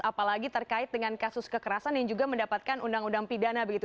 apalagi terkait dengan kasus kekerasan yang juga mendapatkan undang undang pidana begitu